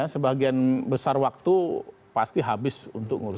sebagian besar waktu pasti habis untuk ngurus